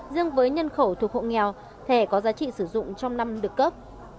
riêng với nhân khẩu thuộc hộ nghèo thẻ có giá trị sử dụng trong năm được cấp